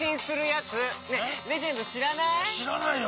しらないよ